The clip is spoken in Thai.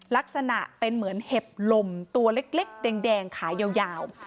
ลักษณะเป็นเหมือนเห็บลมตัวเล็กแดงขายาว